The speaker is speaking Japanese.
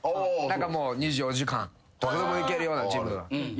２４時間どこでも行けるようなジム。